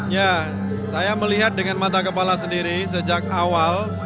ya saya melihat dengan mata kepala sendiri sejak awal